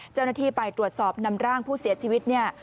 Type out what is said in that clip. เจ้าหน้าที่ไปตรวจสอบนำร่างผู้เสียชีวิตเนี่ย